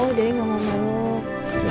oh jadi gak mau meluk